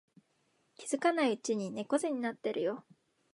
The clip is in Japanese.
気づかないうちに猫背になってるよ